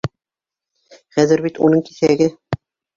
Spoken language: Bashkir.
Хәҙер бит уның киҫәге!